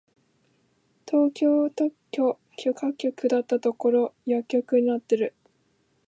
東京特許許可局だったところ薬局になってる！